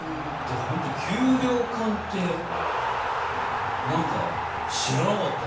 ほんと給糧艦って何か知らなかったね。